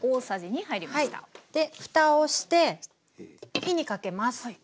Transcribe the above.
ふたをして火にかけます。